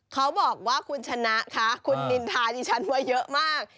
เขาบอกว่าคุณชนะคะคุณนินทาดิฉันว่าเยอะมาก